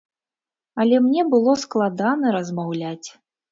Але мне было складана размаўляць.